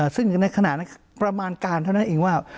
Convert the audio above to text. ซึ่งในขณะนั้นประมาณการเท่านั้นเองว่า